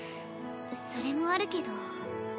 それもあるけど。